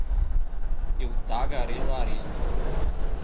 eu tagarelarei